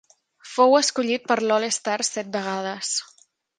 Fou escollit per l'All-Star set vegades.